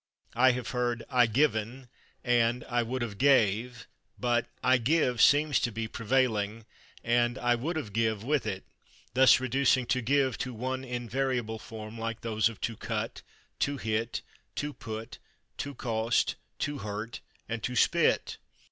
I have heard "I /given/" and "I would of /gave/," but "I /give/" seems to be prevailing, and "I would of /give/" with it, thus reducing /to give/ to one invariable form, like those of /to cut/, /to hit/, /to put/, /to cost/, /to hurt/ and /to spit